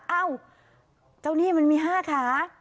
เอ้าเจ้านี่มันมี๕ขา